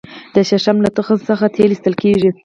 د شړشم له تخم څخه تېل ایستل کیږي